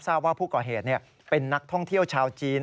ทราบว่าผู้ก่อเหตุเป็นนักท่องเที่ยวชาวจีน